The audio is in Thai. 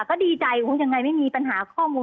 ก็ดีใจยังไงไม่มีปัญหาข้อมูล